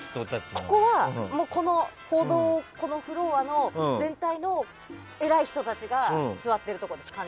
ここは、このフロアの全体の偉い人たちが座ってるところです。